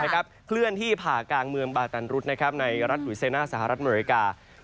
เคลื่อนที่ผ่ากลางเมืองบาตันรุดในรัฐหุยเซน่าสหรัฐอเมริกา